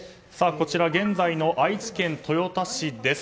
こちら現在の愛知県豊田市です。